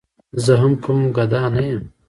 زه هم کوم ګدا نه یم.